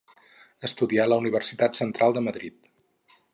Estudià a la Universitat Central de Madrid.